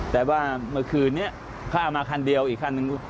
แต่ว่าเมื่อคืนนี้ข้ามมาคันเดียวอีกคันนึง